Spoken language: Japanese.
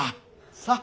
さあ。